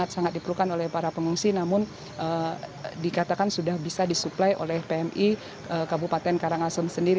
sangat diperlukan oleh para pengungsi namun dikatakan sudah bisa disuplai oleh pmi kabupaten karangasem sendiri